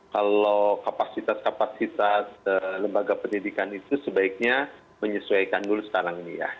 kalau kapasitas kapasitas lembaga pendidikan itu sebaiknya menyesuaikan dulu sekarang ini ya